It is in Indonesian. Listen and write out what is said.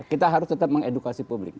kita harus tetap mengedukasi publik